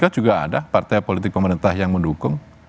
juga ada partai politik pemerintah yang mendukung